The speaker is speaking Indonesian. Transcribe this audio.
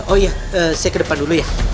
oh iya saya ke depan dulu ya